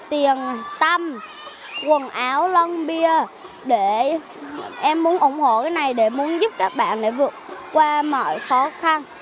tiền tâm quần áo lăng bia để em muốn ủng hộ cái này để muốn giúp các bạn để vượt qua mọi khó khăn